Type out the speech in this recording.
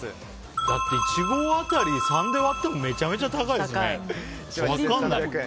だって１合当たり３で割ってもめちゃめちゃ高いですよね。